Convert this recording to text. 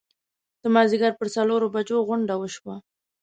د مازیګر پر څلورو بجو غونډه وشوه.